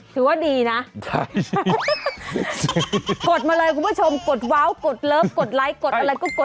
ถือว่าดีนะคุณผู้ชมกดว้าวกดเลิฟกดไลค์กดอะไรก็กดกันเลย